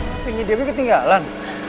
hpnya dewi ketinggalan